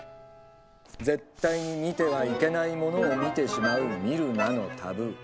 絶対に見てはいけないものを見てしまう「見るな」のタブー。